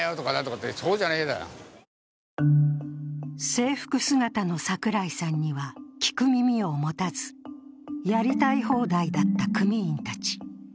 制服姿の櫻井さんには聞く耳を持たずやりたい放題だった組員たち。